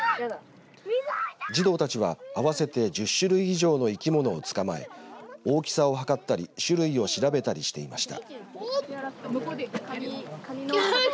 児童たちは合わせて１０種類以上の生き物を捕まえ大きさを測ったり種類を調べたりしていました。